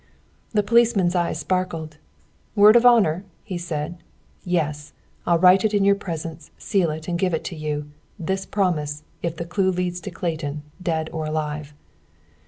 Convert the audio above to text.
The policeman's eyes sparkled. "Word of honor?" he said. "Yes! I'll write it in your presence, seal it, and give it to you this promise, if the clue leads to Clayton, dead or alive."